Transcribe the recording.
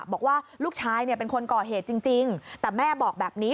บอกว่าลูกชายเป็นคนก่อเหตุจริงแต่แม่บอกแบบนี้